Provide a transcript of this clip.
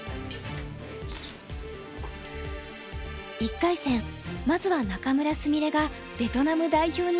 １回戦まずは仲邑菫がベトナム代表に勝利。